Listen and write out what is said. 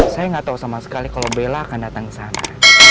saya nggak tahu sama sekali kalau bella akan datang ke sana